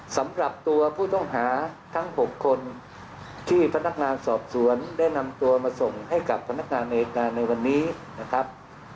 สำหรับตัวผู้ต้องหาทั้ง๖คนที่พนักงานสอบสวนได้นำตัวมาส่งให้กับพนักงานในการในวันนี้นะครับ